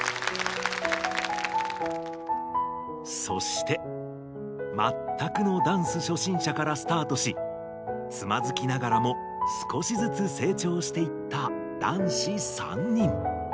そしてまったくのダンス初心者からスタートしつまずきながらもすこしずつ成長していった男子３人。